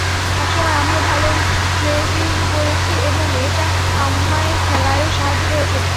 একসময় আমিও ভালোই স্লেজিং করেছি এবং এটা আমার খেলায়ও সাহায্য করেছে।